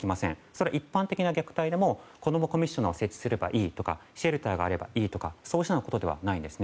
それは一般的な虐待でも子どもコミッショナーを設置すればいいとかシェルターがあればいいとかそういうことではないんです。